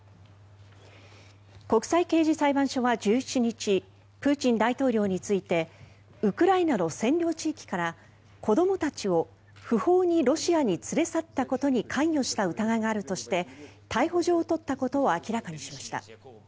国際刑事裁判所は１７日プーチン大統領についてウクライナの占領地域から子どもたちを不法にロシアに連れ去ったことに関与した疑いがあるとして逮捕状を取ったことを明らかにしました。